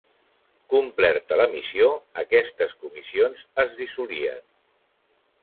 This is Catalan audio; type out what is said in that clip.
Complerta la missió, aquestes comissions es dissolien.